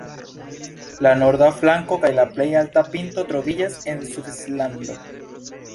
La norda flanko kaj la plej alta pinto troviĝas en Svislando.